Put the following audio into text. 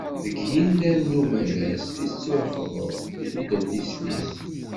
Deg yinen n umalas i tettwaxḍeb, i tedda d tislit.